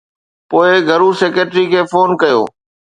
پوءِ گهرو سيڪريٽري کي فون ڪيو.